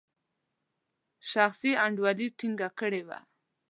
شخصي انډیوالي ټینګه کړې وه.